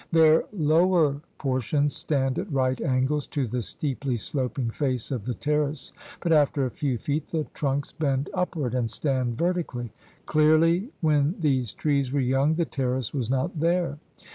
Their lower por tions stand at right angles to the steeply sloping face of the terrace, but after a few feet the trunks bend upward and stand vertically. Clearly when these trees were young the terrace was not there.